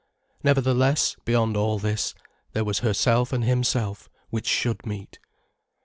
Nevertheless, beyond all this, there was herself and himself which should meet.